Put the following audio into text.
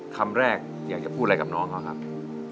คำแรกอยากจะพูดอะไรกับน้องเขาครับ